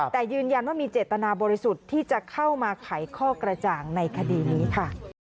แต่ยืนยันว่ามีเจตนาบริสุทธิ์ที่จะเข้ามาไขข้อกระจ่างในคดีนี้ค่ะ